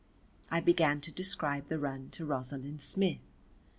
I began to describe the run to Rosalind Smith.